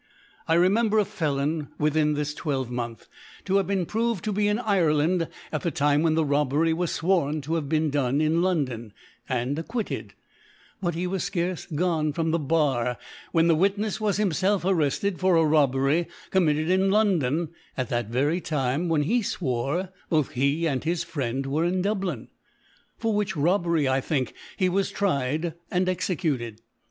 I remember a Felon within this Twelve month to have been proved to be in Ireland at the Time when the Robbery ^as fwora to have been done in London, and acquitted ; but he was fcarce gone from the Bar, when the Witnefs was himfclf arretted for a Rob bery committed in London at that very Time * i. e. TBat he was at another Place at the Time. 3 when ( i8i ) when he fwore both he and his Friend were in Dublin: For which Robbery, I think, he was tried and executed.